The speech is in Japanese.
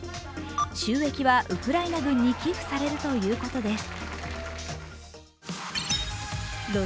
収益はウクライナ軍に寄付されるということです。